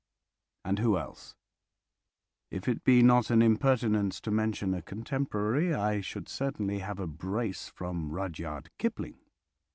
And who else? If it be not an impertinence to mention a contemporary, I should certainly have a brace from Rudyard Kipling.